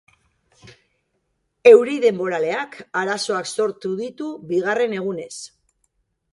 Euri denboraleak arazoak sortu ditu bigarren egunez.